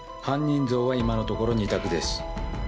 ⁉犯人像は今のところ２択です。